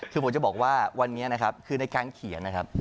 คือผมจะบอกว่าวันนี้นะครับคือในการเขียนนะครับ